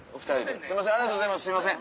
すいませんありがとうございますすいません。